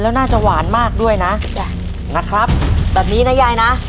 แล้วน่าจะหวานมากด้วยนะจ้ะนะครับแบบนี้นะยายนะ